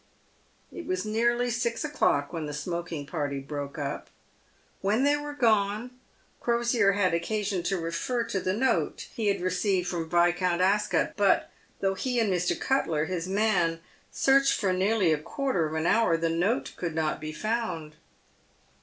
It was nearly six o'clock when the smoking party broke up. When they were gone, Crosier had occasion to refer to the note he had re ceived from Viscount Ascot, but though he and Mr. Cutler, his man, searched for nearly a quarter of an hour, the note could not be found.